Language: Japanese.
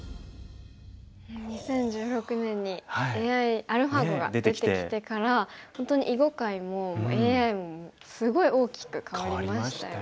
２０１６年にアルファ碁が出てきてから本当に囲碁界もＡＩもすごい大きく変わりましたよね。